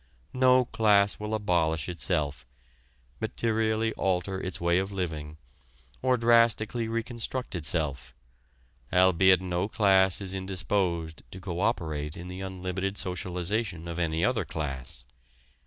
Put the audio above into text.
No class will abolish itself, materially alter its way of living, or drastically reconstruct itself, albeit no class is indisposed to co operate in the unlimited socialization of any other class.